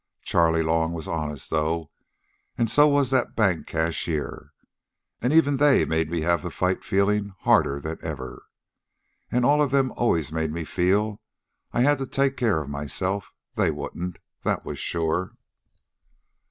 Charley Long was honest, though. And so was that bank cashier. And even they made me have the fight feeling harder than ever. All of them always made me feel I had to take care of myself. They wouldn't. That was sure."